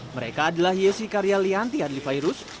mereka adalah yesi karyalianti adlifairus